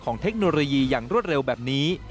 เทคโนโลยีอย่างรวดเร็วแบบนี้